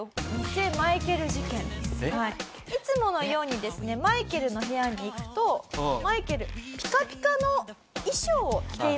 いつものようにですねマイケルの部屋に行くとマイケルピカピカの衣装を着ていました。